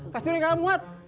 kasih ular gak muat